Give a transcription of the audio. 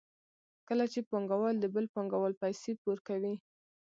کله چې پانګوال د بل پانګوال پیسې پور کوي